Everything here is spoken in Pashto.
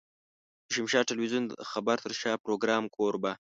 د شمشاد ټلوېزيون د خبر تر شا پروګرام کوربه.